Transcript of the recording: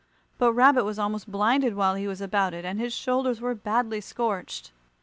But Rabbit was almost blinded while he was about it, and his shoulders were badly scorched.